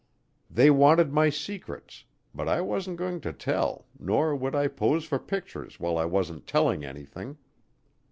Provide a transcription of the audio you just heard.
They wanted my secrets, but I wasn't going to tell nor would I pose for pictures while I wasn't telling anything.